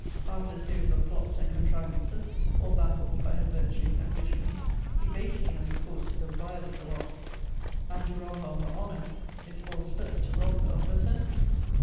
After a series of plots and contrivances, all baffled by her virtue and vigilance, he basely has recourse to the vilest of arts, and, to rob her of her honour, is forced first to rob her of her senses.